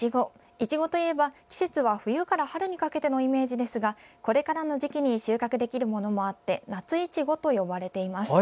いちごといえば季節は冬から春にかけてのイメージですがこれからの時期に収穫できるものもあって夏いちごと呼ばれています。